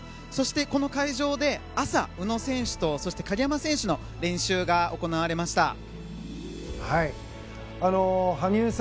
そして、この会場で朝、宇野選手とそして鍵山選手の練習が行われました。